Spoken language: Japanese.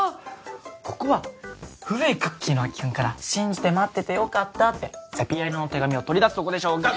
ここは古いクッキーの空き缶から信じて待っててよかったってセピア色の手紙を取り出すとこでしょうが！